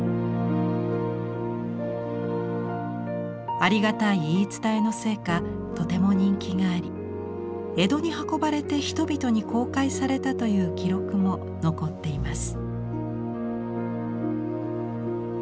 ありがたい言い伝えのせいかとても人気があり江戸に運ばれて人々に公開されたという記録も残っています。